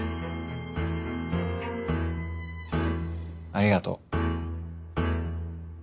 ありがとう。